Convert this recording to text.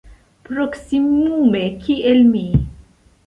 Proksimume kiel mi.